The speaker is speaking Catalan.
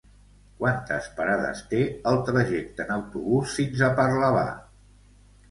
Quantes parades té el trajecte en autobús fins a Parlavà?